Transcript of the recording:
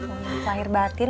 momen syair batin